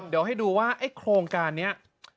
เดี๋ยวให้ดูว่าไอ้โครงการนี้